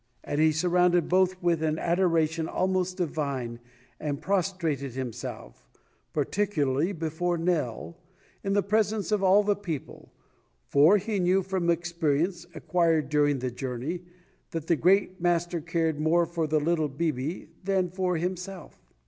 And he surrounded both with an adoration almost divine and prostrated himself, particularly before Nell, in the presence of all the people, for he knew from experience, acquired during the journey, that the great master cared more for the little "bibi" than for himself.